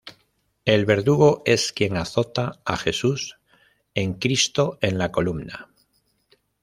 El verdugo es quien azota a Jesús en cristo en la columna